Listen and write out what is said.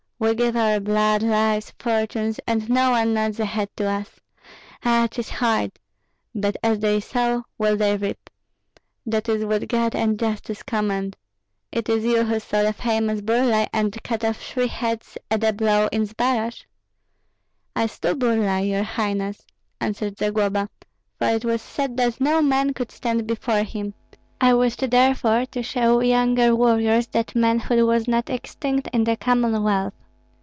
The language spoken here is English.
We give our blood, lives, fortunes, and no one nods a head to us. Ah! 'tis hard; but as they sow will they reap. That is what God and justice command. It is you who slew the famous Burlai and cut off three heads at a blow in Zbaraj?" "I slew Burlai, your highness," answered Zagloba, "for it was said that no man could stand before him. I wished therefore to show younger warriors that manhood was not extinct in the Commonwealth.